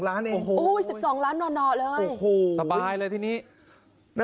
๑๒ล้านหน่อเลย